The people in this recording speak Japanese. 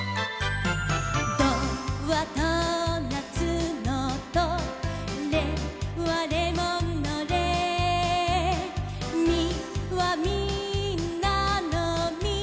「ドはドーナツのドレはレモンのレ」「ミはみんなのミ」